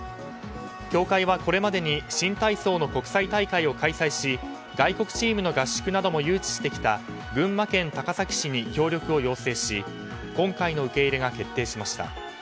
協会はこれまでに新体操の国際大会を開催し、外国チームの合宿なども誘致してきた群馬県高崎市に協力を要請し今回の受け入れが決定しました。